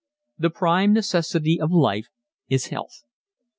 The prime necessity of life is health.